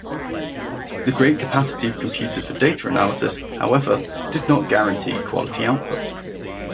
The great capacity of computers for data analysis, however, did not guarantee quality output.